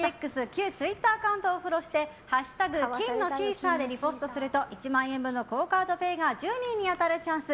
旧ツイッターアカウントをフォローして「＃金のシーサー」でリポストすると１万円分のＱＵＯカードＰａｙが１０人に当たるチャンス。